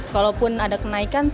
kalaupun ada kenaikan